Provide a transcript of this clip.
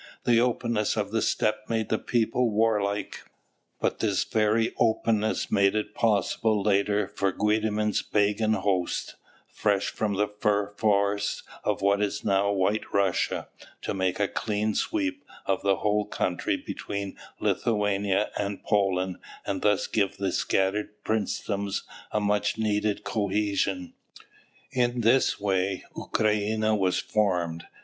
The openness of the steppe made the people war like. But this very openness made it possible later for Guedimin's pagan hosts, fresh from the fir forests of what is now White Russia, to make a clean sweep of the whole country between Lithuania and Poland, and thus give the scattered princedoms a much needed cohesion. In this way Ukrainia was formed.